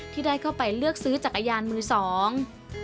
ที่ได้เข้าไปเลือกซื้อจักรยานมือสอง